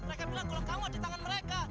mereka bilang kalau kamu ada di tangan mereka